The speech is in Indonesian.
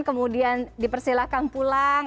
kemudian dipersilahkan pulang